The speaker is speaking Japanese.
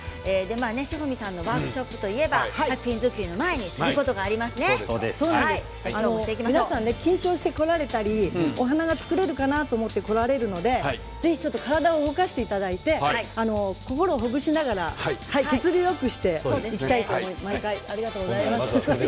志穂美さんのワークショップといえば作品作りの前にすることが皆さん緊張して来られたり、お花が作れるかなと思って来られるのでぜひ体を動かしていただいて心をほぐしながら血流をよくしていきたいと思います。